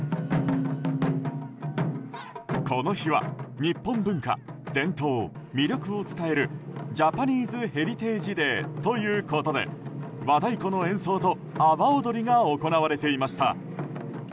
この日は日本文化、伝統、魅力を伝えるジャパニーズ・ヘリテージ・デーということで和太鼓の演奏と阿波踊りが行われていました。